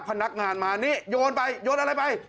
พนักงานมานี่โยนไปโยนอะไรไป